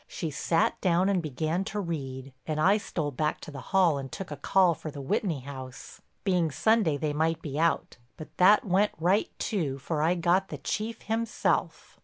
She sat down and began to read, and I stole back to the hall and took a call for the Whitney house. Being Sunday they might be out, but that went right too, for I got the Chief himself.